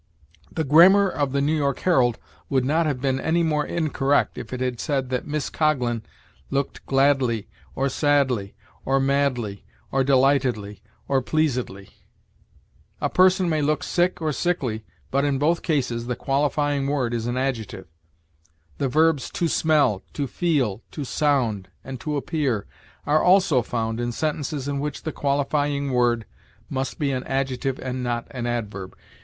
The grammar of the "New York Herald" would not have been any more incorrect if it had said that Miss Coghlan looked gladly, or sadly, or madly, or delightedly, or pleasedly. A person may look sick or sickly, but in both cases the qualifying word is an adjective. The verbs to smell, to feel, to sound, and to appear are also found in sentences in which the qualifying word must be an adjective and not an adverb.